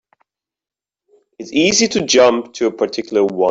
It's easy to jump to a particular one.